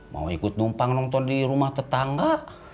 mau ikut numpang nonton di rumah tetangga